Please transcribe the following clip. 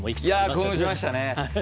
興奮しましたね。